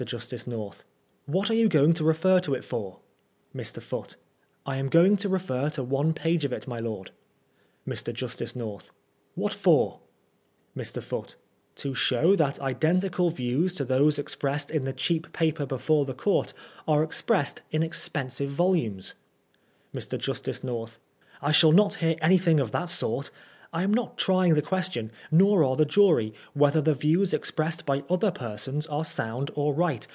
Justice North : What are you going to refer to it for? Mr. Foote : I am going to refer to one page of it, my lord. Mr. Justice North : What for P Mr. Foote : To show that identical views to those expressed in the cheap paper before the court are expressed in expensive Yolmnes. Mr. Justice North : I shall not hear anything of that sort I am not trying the question, nor are the jmy, whether the views expressed by other persons are sound or right.